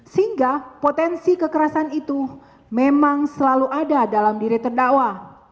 sehingga potensi kekerasan itu memang selalu ada dalam diri terdakwa